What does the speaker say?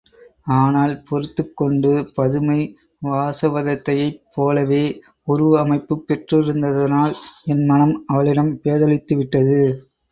ஆனால் பொறுத்துக் கொண்டு, பதுமை, வாசவதத்தையைப் போலவே உருவ அமைப்புப் பெற்றிருந்ததனால் என் மனம் அவளிடம் பேதலித்துவிட்டது.